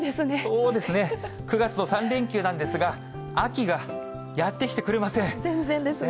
そうですね。９月の３連休なんですが、全然ですね。